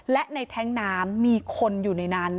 และในแท้งน้ำมีคนอยู่ในนั้น